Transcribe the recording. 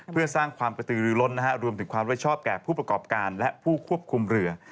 เพื่อสร้างความกระตือรือล้นรวมถึงความไม่ชอบแก่ผู้ประกอบการและผู้ควบคุมเรือ